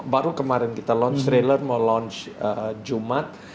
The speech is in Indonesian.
baru kemarin kita launch trailer mau launch jumat